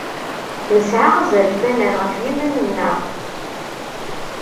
Nesɛa azref ad nerr ɣef yiman-nneɣ.